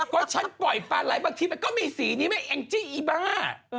ก็ฉันปล่อยปลาไหล่บางทีไปก็มีสีนี้ไม่แองจิดินิบี้